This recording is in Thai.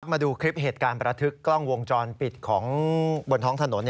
มาดูคลิปเหตุการณ์ประทึกกล้องวงจรปิดของบนท้องถนน